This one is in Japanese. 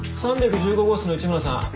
３１５号室の一村さん